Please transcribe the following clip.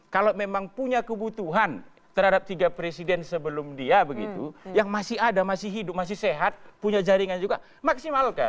kalau memang punya kebutuhan terhadap tiga presiden sebelum dia begitu yang masih ada masih hidup masih sehat punya jaringan juga maksimalkan